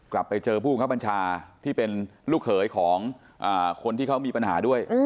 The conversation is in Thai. ไปเจอผู้บังคับบัญชาที่เป็นลูกเขยของคนที่เขามีปัญหาด้วย